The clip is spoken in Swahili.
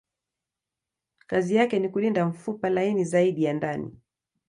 Kazi yake ni kulinda mfupa laini zaidi ya ndani.